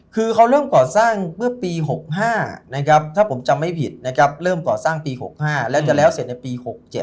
คือเขาเริ่มก่อสร้างเมื่อปี๖๕นะครับถ้าผมจำไม่ผิดนะครับเริ่มก่อสร้างปี๖๕แล้วจะแล้วเสร็จในปี๖๗